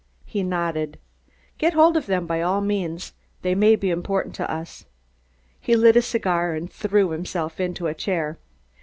He nodded. "Get hold of them by all means! They may be important to us." He lit a cigar and threw himself into a chair.